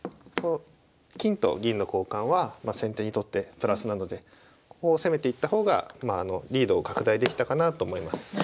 金と銀の交換は先手にとってプラスなのでこう攻めていった方がリードを拡大できたかなと思います。